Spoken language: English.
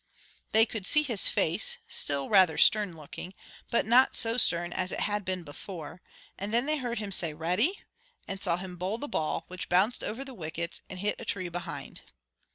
They could see his face, still rather stern looking, but not so stern as it had been before; and then they heard him say "Ready?" and saw him bowl the ball, which bounced over the wickets and hit a tree behind.